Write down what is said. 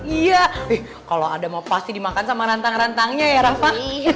iya eh kalo adam pasti dimakan sama rantang rantangnya ya rafa